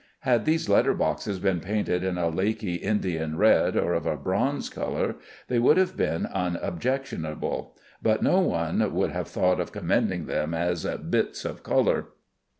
Had these letter boxes been painted of a laky Indian red, or of a bronze color, they would have been unobjectionable, but no one would have thought of commending them as "bits of color."